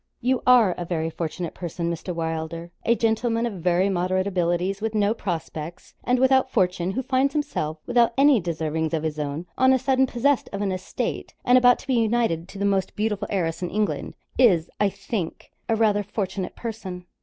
'You are a very fortunate person, Mr. Wylder; a gentleman of very moderate abilities, with no prospects, and without fortune, who finds himself, without any deservings of his own, on a sudden, possessed of an estate, and about to be united to the most beautiful heiress in England, is, I think, rather a fortunate person.'